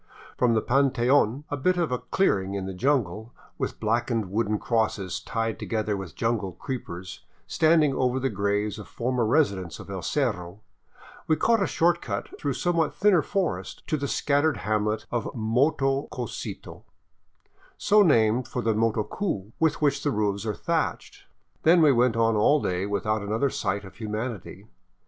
From the " Panteon," a bit of clearing in the jungle, with blackened wooden crosses tied together with jungle creepers standing over the graves of former residents of El Cerro, we caught a short cut through somewhat thinner forest to the scattered hamlet of Motococito, so named from the motocu with which the roofs are thatched. Then we went on all day without another sight of humanity.